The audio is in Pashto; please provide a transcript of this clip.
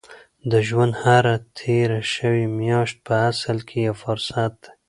د ژوند هره تېره شوې میاشت په اصل کې یو فرصت دی.